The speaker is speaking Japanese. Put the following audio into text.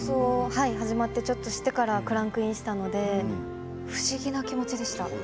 始まってから少ししてからクランクインしたので不思議な気持ちでした。